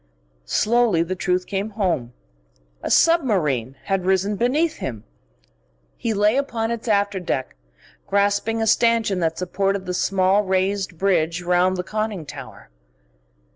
Slowly the truth came home: a submarine had risen beneath him. He lay upon its after deck, grasping a stanchion that supported the small raised bridge round the conning tower.